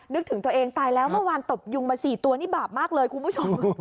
นึกถึงตัวเองตายแล้วเมื่อวานตบยุงมา๔ตัวนี่บาปมากเลยคุณผู้ชม